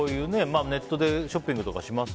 ネットでショッピングとかします？